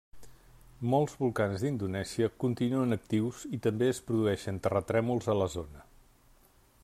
Molts volcans d'Indonèsia continuen actius i també es produeixen terratrèmols a la zona.